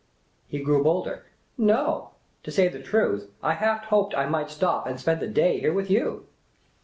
He grew bolder. " No ; to say the truth, I half hoped I might stop and spend the day here with you."